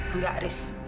bu gak haris